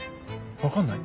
分かんない？